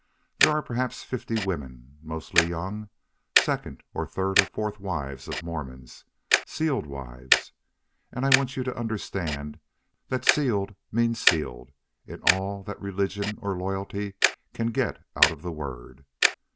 There are perhaps fifty women, mostly young second or third or fourth wives of Mormons sealed wives. And I want you to understand that sealed means SEALED in all that religion or loyalty can get out of the word.